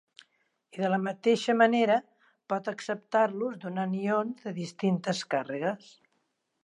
I de la mateixa manera, pot acceptar-los, donant ions de distintes càrregues.